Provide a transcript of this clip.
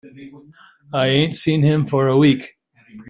I ain't seen him for a week.